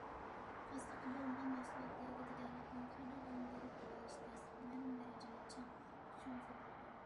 خاسلىقى بولمىغان مەھسۇلات ياكى تىجارەتنىڭ خېرىدارلارنى جەلپ قىلالىشى تەس، مەلۇم دەرىجىنى چىڭ تۇتسىڭىزلا بولىدۇ.